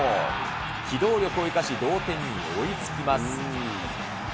機動力を生かし、同点に追いつきます。